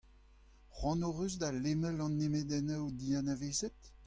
Cʼhoant hocʼh eus da lemel an nemedennoù dianavezet ?